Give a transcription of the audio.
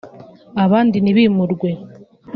abandi ntibimurwe